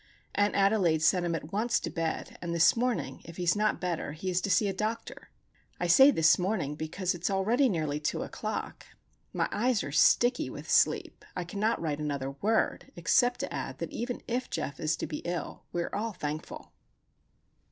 Aunt Adelaide sent him at once to bed, and this morning, if he is not better, he is to see a doctor. I say this morning, because it is already nearly two o'clock. My eyes are sticky with sleep. I cannot write another word, except to add that even if Geof is to be ill, we are all thankful!